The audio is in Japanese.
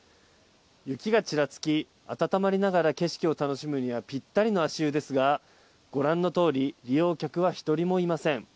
雪がちらつき温まりながら景色を楽しむにはぴったりの足湯ですがご覧のとおり利用客は１人もいません。